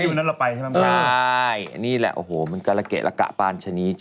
วันนั้นเราไปใช่ไหมใช่นี่แหละโอ้โหมันการละเกะละกะปานชะนี